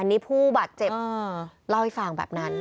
มีผู้เจ็บลอยฝั่งแบบนั้น